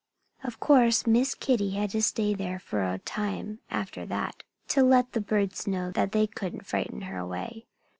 Of course Miss Kitty had to stay there for a time after that, to let the birds know that they couldn't frighten her away.